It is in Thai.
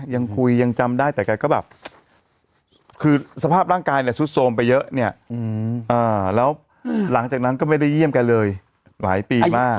ยังคุยยังจำได้แต่แกก็แบบคือสภาพร่างกายเนี่ยซุดโทรมไปเยอะเนี่ยแล้วหลังจากนั้นก็ไม่ได้เยี่ยมแกเลยหลายปีมาก